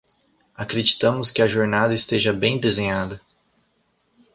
Acreditamos que a jornada esteja bem desenhada